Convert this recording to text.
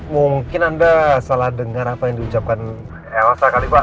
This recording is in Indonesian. mungkin anda salah dengar apa yang di ucapkan elsa kali pak